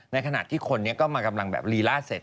ในขณะที่คนนี้ก็มากำลังแบบลีลาเสร็จ